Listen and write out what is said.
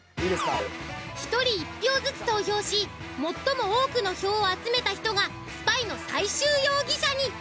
１人１票ずつ投票し最も多くの票を集めた人がスパイの最終容疑者に。